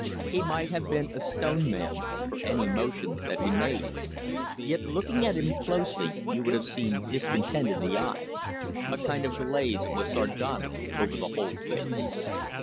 He might have been a stone man, for any motion that he made. Yet looking at him closely you would have seen discontent in the eye, a kind of glaze of the sardonic over the whole face.